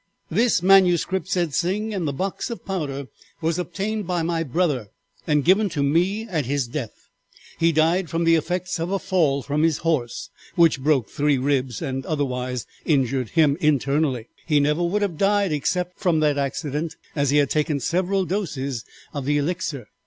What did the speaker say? "'This manuscript,' said Sing, 'and the box of powder was obtained by my brother and given to me at his death. He died from the effects of a fall from his horse, which broke three ribs and otherwise injured him internally. He never would have died except from the accident, as he had taken several doses of the Elixir.